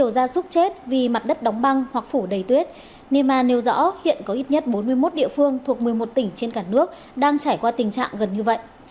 gia súc chết vì mặt đất đóng băng hoặc phủ đầy tuyết nema nêu rõ hiện có ít nhất bốn mươi một địa phương thuộc một mươi một tỉnh trên cả nước đang trải qua tình trạng gần như vậy